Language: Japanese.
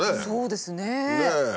そうですね。